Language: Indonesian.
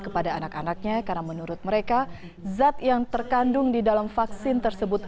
kepada anak anaknya karena menurut mereka zat yang terkandung di dalam vaksin tersebut